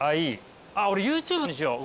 あっ俺ＹｏｕＴｕｂｅにしよう。